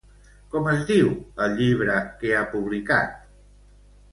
Com es diu el llibre que ha publicat?